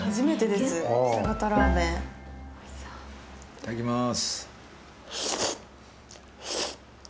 いただきます。